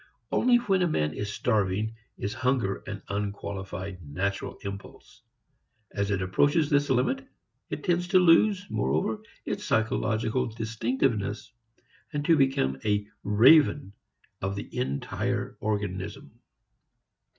Only when a man is starving, is hunger an unqualified natural impulse; as it approaches this limit, it tends to lose, moreover, its psychological distinctiveness and to become a raven of the entire organism.